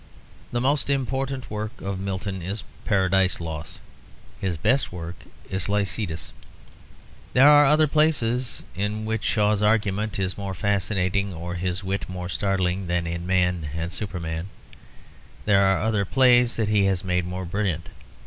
The most important work of Milton is Paradise Lost; his best work is Lycidas. There are other places in which Shaw's argument is more fascinating or his wit more startling than in Man and Superman; there are other plays that he has made more brilliant.